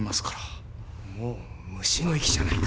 もう虫の息じゃないか。